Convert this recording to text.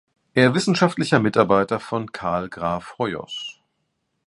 Er wissenschaftlicher Mitarbeiter von Carl Graf Hoyos.